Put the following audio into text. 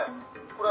これ。